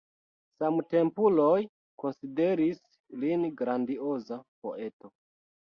Samtempuloj konsideris lin grandioza poeto.